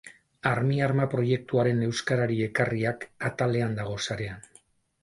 Armiarma proiektuaren euskarari ekarriak atalean dago sarean.